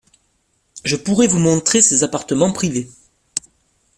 Je pourrais vous montrer ses appartements privés.